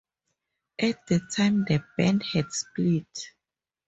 At the time the band had split.